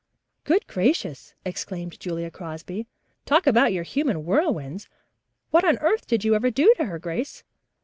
"Good gracious," exclaimed Julia Crosby. "Talk about your human whirlwinds! What on earth did you ever do to her, Grace?"